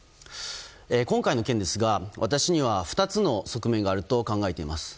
今回の件ですが私には２つの側面があると考えています。